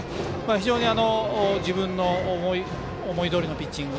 非常に自分の思いどおりのピッチング。